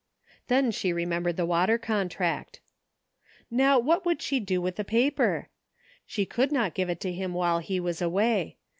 Then she remembered the water contract Now, what should she do with the paper? She could not give it to him while he was away.